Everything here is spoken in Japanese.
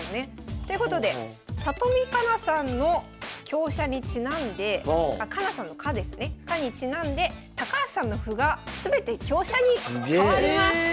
ということで里見香奈さんの香車にちなんで香奈さんの「香」ですね「香」にちなんで高橋さんの歩が全て香車に替わります！え！